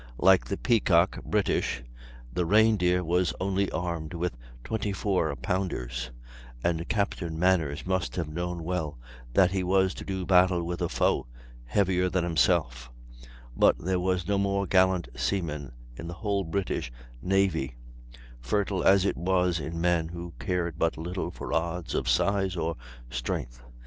Like the Peacock (British) the Reindeer was only armed with 24 pounders, and Captain Manners must have known well that he was to do battle with a foe heavier than himself; but there was no more gallant seaman in the whole British navy, fertile as it was in men who cared but little for odds of size or strength.